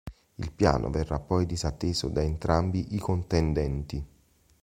Il piano verrà poi disatteso da entrambi i contendenti.